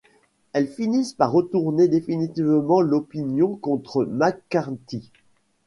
Elles finissent par retourner définitivement l’opinion contre McCarthy.